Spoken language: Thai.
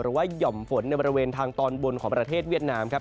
หย่อมฝนในบริเวณทางตอนบนของประเทศเวียดนามครับ